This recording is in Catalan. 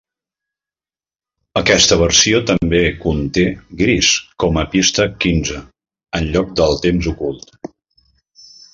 Aquesta versió també conté "Grease" com a pista quinze, en lloc del temps ocult.